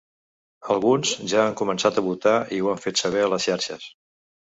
Alguns ja han començat a votar i ho han fet saber a les xarxes.